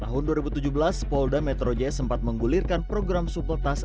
tahun dua ribu tujuh belas polda metro jaya sempat menggulirkan program supeltas